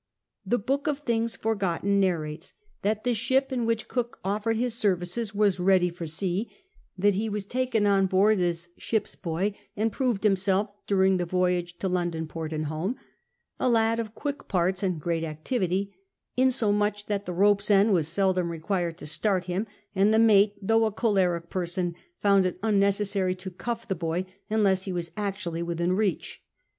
The Book of Things Forgotten narrates that the ship in 22 CAPTAIN COOK CHAP. which Cook offorecl his services was ready for sea; that he was taken on board as ship's boy, and proved him self, during the voyage to London port and home, a lad of quick parts and great activity, insomuch that the rope's end was seldom required to start him, and the mate, though a choleric person, found it unnecessary to cuff the boy unless he was actually within reach.